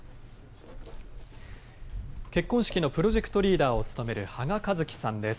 結婚式のプロジェクトリーダーを務める芳賀一樹さんです。